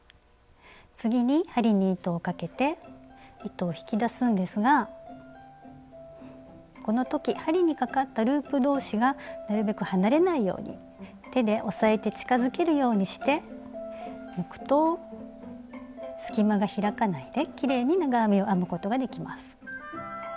次に針に糸をかけて糸を引き出すんですがこの時針にかかったループ同士がなるべく離れないように手で押さえて近づけるようにして抜くと隙間が開かないできれいに長編みを編むことができます。